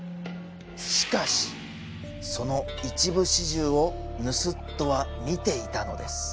しかしその一部始終を盗っ人は見ていたのです